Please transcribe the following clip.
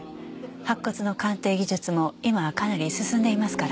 白骨の鑑定技術も今はかなり進んでいますから。